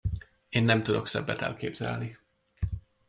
Én nem tudok szebbet elképzelni.